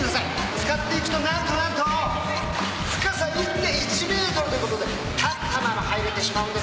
漬かっていくと何と何と深さ１．１ｍということで立ったまま入れてしまうんですね。